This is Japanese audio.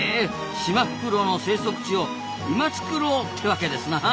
「シマフクロウ」の生息地を「今つくろう」ってわけですな！